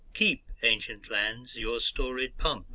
"Keep, ancient lands, your storied pomp!"